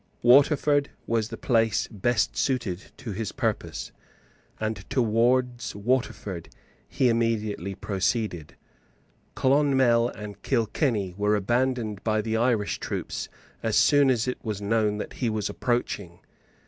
Waterford was the place best suited to his purpose; and towards Waterford he immediately proceeded. Clonmel and Kilkenny were abandoned by the Irish troops as soon as it was known that he was approaching.